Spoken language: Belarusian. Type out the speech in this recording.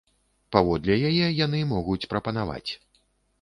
Паводле яе, яны могуць прапанаваць.